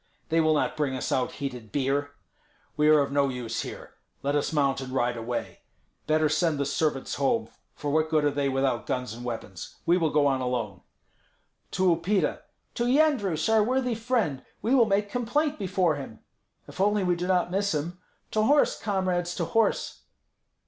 They will not bring us out heated beer. We are of no use here; let us mount and ride away. Better send the servants home, for what good are they without guns and weapons? We will go on alone." "To Upita!" "To Yendrus, our worthy friend! We will make complaint before him." "If only we do not miss him." "To horse, comrades, to horse!"